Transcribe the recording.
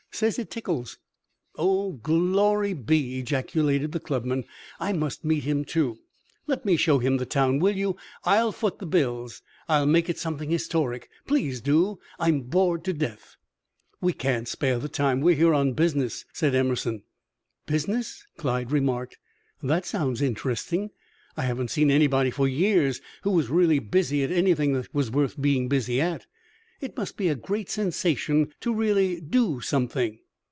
Says it tickles." "Oh, glory be!" ejaculated the clubman. "I must meet him, too. Let me show him the town, will you? I'll foot the bills; I'll make it something historic. Please do! I'm bored to death." "We can't spare the time; we are here on business," said Emerson. "Business!" Clyde remarked. "That sounds interesting. I haven't seen anybody for years who was really busy at anything that was worth being busy at. It must be a great sensation to really do something."